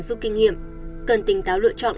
giúp kinh nghiệm cần tỉnh táo lựa chọn